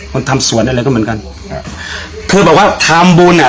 มันทำสวนอะไรก็เหมือนกันอ่าคือบอกว่าทำบุญอ่ะ